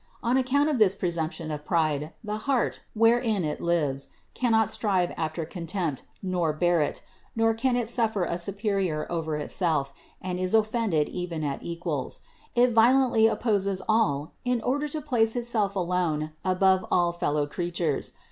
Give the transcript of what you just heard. On account of this presumption of pride the heart, wherein it lives, cannot strive after contempt, nor bear it, nor can it suffer a su perior over itself, and is offended even at equals; it violently opposes all in order to place itself alone above all fellow creatures.